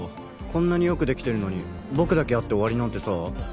こんなによくできてるのに僕だけやって終わりなんてさ